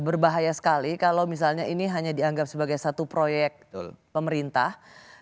berbahaya sekali kalau misalnya ini hanya dianggap sebagai satu proyek pemerintah